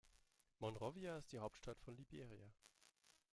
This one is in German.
Monrovia ist die Hauptstadt von Liberia.